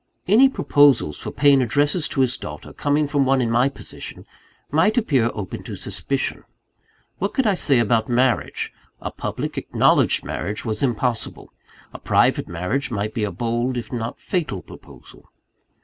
Any proposals for paying addresses to his daughter, coming from one in my position, might appear open to suspicion. What could I say about marriage? A public, acknowledged marriage was impossible: a private marriage might be a bold, if not fatal proposal.